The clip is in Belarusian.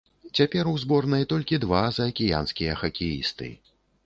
Цяпер у зборнай толькі два заакіянскія хакеісты.